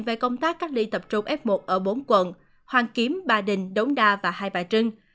về công tác cách ly tập trung f một ở bốn quận hoàn kiếm ba đình đống đa và hai bà trưng